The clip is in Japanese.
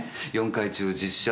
４回中実車